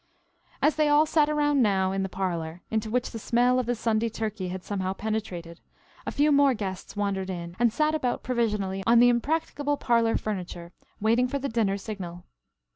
As they all sat around now in the parlor, into which the smell of the Sunday turkey had somehow penetrated, a few more guests wandered in and sat about provisionally on the impracticable parlor furniture, waiting for the dinner signal.